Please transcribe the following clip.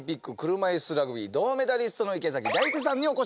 車いすラグビー銅メダリストの池崎大輔さんにお越しいただきました。